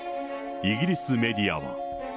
イギリスメディアは。